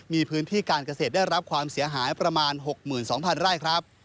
มีพื้นที่การเกษตรได้รับความเสียหายประมาณ๖๒๐๐ไร่ครับ